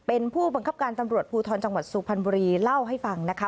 เป็นผู้บังคับการตำรวจภูทรจังหวัดสุพรรณบุรีเล่าให้ฟังนะคะ